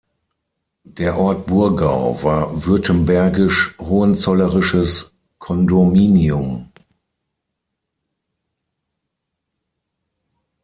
Der Ort Burgau war württembergisch-hohenzollerisches Kondominium.